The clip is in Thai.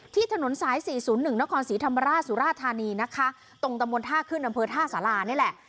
ถนนสายสี่ศูนย์หนึ่งนครศรีธรรมราชสุราธานีนะคะตรงตำบลท่าขึ้นอำเภอท่าสารานี่แหละ